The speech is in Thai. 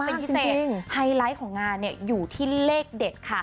เป็นพิเศษไฮไลท์ของงานเนี่ยอยู่ที่เลขเด็ดค่ะ